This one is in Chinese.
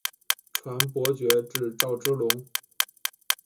传伯爵至赵之龙。